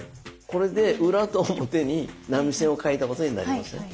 これで裏と表に波線を書いたことになりますね。